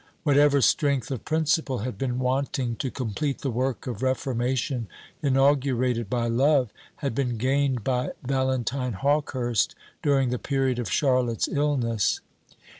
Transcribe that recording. Whatever strength of principle had been wanting to complete the work of reformation inaugurated by love, had been gained by Valentine Hawkehurst during the period of Charlotte's illness.